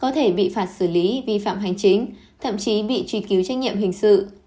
có thể bị phạt xử lý vi phạm hành chính thậm chí bị truy cứu trách nhiệm hình sự